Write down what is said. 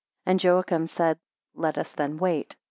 And Joachim said, Let us then wait.